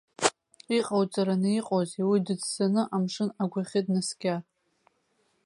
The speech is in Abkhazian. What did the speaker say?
Иҟауҵараны иҟоузеи, уи дыӡсаны амшын агәахьы днаскьар?